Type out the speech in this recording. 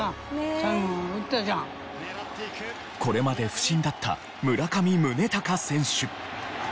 これまで不振だった村上宗隆選手。